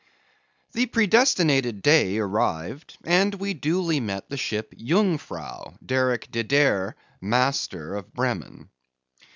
The predestinated day arrived, and we duly met the ship Jungfrau, Derick De Deer, master, of Bremen.